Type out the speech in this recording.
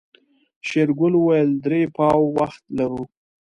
شېرګل وويل درې پاوه وخت لرو.